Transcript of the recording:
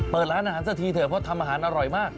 เปิดร้านอาหารสักทีเถอะเพราะทำอาหารอร่อยมาก